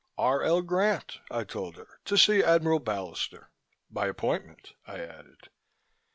"R. L. Grant," I told her. "To see Admiral Ballister. By appointment," I added.